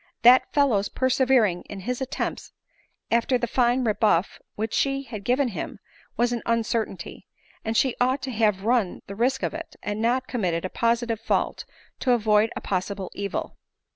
That fellow's persevering in his attempts, after the fine rebuff which she had given him, was an uncertainty ; and she ought to have run the risk of it, and not committed a positive fault to avoid a possible evil.